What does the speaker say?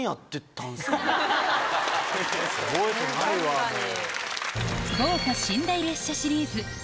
覚えてないわもう。